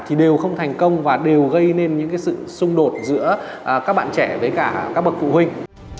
thì đều không thành công và đều gây nên những sự xung đột giữa các bạn trẻ với cả các bậc phụ huynh